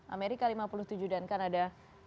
amerika lima puluh tujuh dan kanada